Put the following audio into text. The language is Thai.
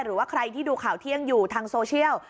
หรือว่าใครที่ดูข่าวเที่ยงอยู่ทางโซเชียล